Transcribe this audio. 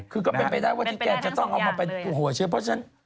คือก็เป็นไปได้ว่าที่แกจะต้องเอามาเป็นหัวเชื้อเพราะฉะนั้น